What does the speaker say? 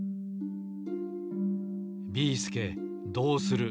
ビーすけどうする！？